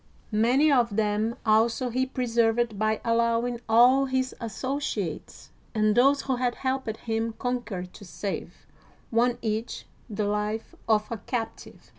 Many of them also he preserved by allowing all his associates and those who had helped him con quer to save, one each, the life of a captive.